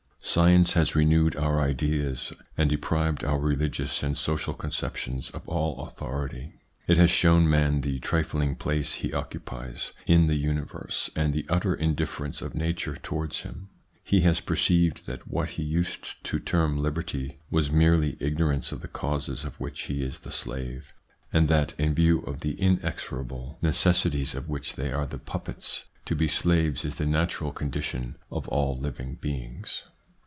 Science has renewed our ideas, and deprived our religious and social conceptions of all authority. It has shown man the trifling place he occupies in the universe, and the utter indifference of Nature towards him. He has perceived that what he used to term liberty was merely ignorance of the causes of which he is the slave, and that in view of the inexorable 216 THE PSYCHOLOGY OF PEOPLES: necessities of which they are the puppets, to be slaves is the natural condition of all living beings.